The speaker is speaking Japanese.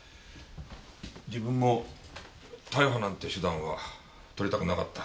自分も逮捕なんて手段はとりたくなかった。